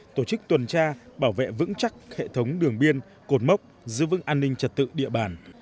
tổ chức tuần tra bảo vệ vững chắc hệ thống đường biên cột mốc giữ vững an ninh trật tự địa bàn